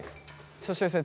そしてですね